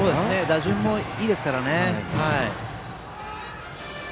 打順もいいですからね。